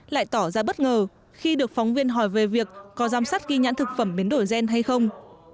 lại tỏ ra bất ngờ khi được phóng viên hỏi về việc có giám sát ghi nhãn thực phẩm biến đổi gen hay không